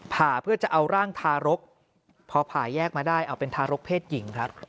ผ่าเพื่อจะเอาร่างทารกพอผ่าแยกมาได้เอาเป็นทารกเพศหญิงครับ